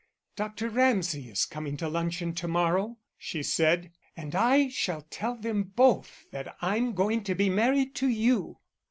"Dr. Ramsay is coming to luncheon to morrow," she said, "and I shall tell them both that I'm going to be married to you."